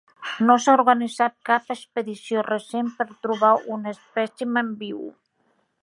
No s'ha organitzat cap expedició recent per trobar un espècimen viu.